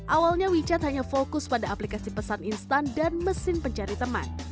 awalnya wechat hanya fokus pada aplikasi pesan instan dan mesin pencari teman